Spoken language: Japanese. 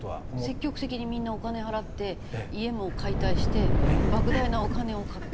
積極的にみんなお金払って家も解体して莫大なお金をかけて。